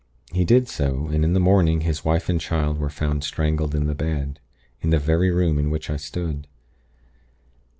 He did so, and in the morning his wife and child were found strangled in the bed, in the very room in which I stood.